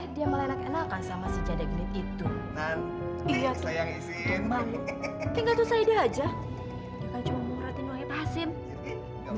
dia kan cuma mau nguratin wahai pasin